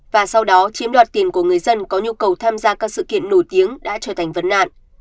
và sau đó chiếm đoạt tiền của người dân có nhu cầu tham gia các sự kiện nổi tiếng đã trở thành vấn nạn